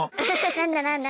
何だ何だ？